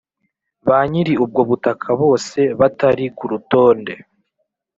banyiri ubwo butaka bose batari ku rutonde